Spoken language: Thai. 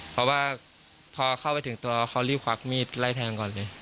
เพราะว่าพอเข้าไปถึงตัวเขารีบควักมีดไล่แทงก่อนเลย